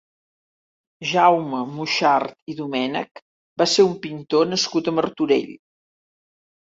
Jaume Muxart i Domènech va ser un pintor nascut a Martorell.